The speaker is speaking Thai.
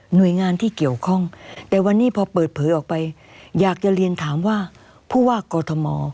หน่วยงานที่เกี่ยวข้องแต่วันนี้พอเปิดเผยออกไปอยากจะเรียนถามว่าผู้ว่ากอทม